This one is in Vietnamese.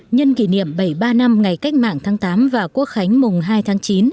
nhân kỷ niệm bảy mươi ba năm ngày cách mạng tháng tám và quốc khánh mùng hai tháng chín